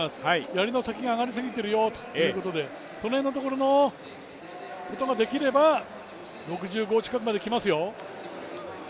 やりの先が上がりすぎてるよということでその辺のところのことができれば６５近くまでいきますよ。